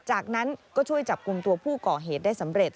จากนั้นก็ช่วยจับกลุ่มตัวผู้ก่อเหตุได้สำเร็จ